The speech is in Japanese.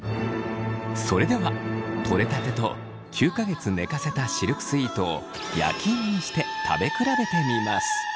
それではとれたてと９か月寝かせたシルクスイートを焼き芋にして食べ比べてみます。